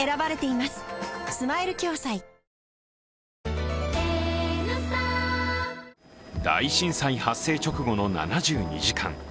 施設の中は大震災発生直後の７２時間。